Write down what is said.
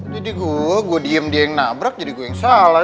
jadi gua gua diem dia yang nabrak jadi gua yang salah